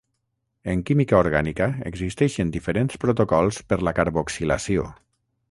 En química orgànica existeixen diferents protocols per la carboxilació.